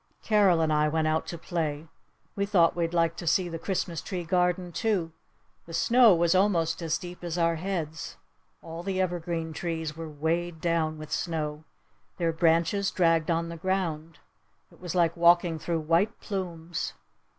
Carol and I went out to play. We thought we'd like to see the Christmas tree garden too. The snow was almost as deep as our heads. All the evergreen trees were weighed down with snow. Their branches dragged on the ground. It was like walking through white plumes.